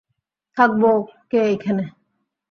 থাকবো কে এইখানে।